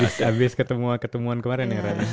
habis ketemuan kemarin ya